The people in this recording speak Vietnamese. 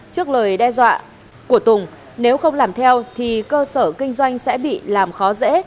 trước lời đe dọa của tùng nếu không làm theo thì cơ sở kinh doanh sẽ bị làm khó dễ